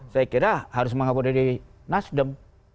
saya kira harus mengakomodasi nasdem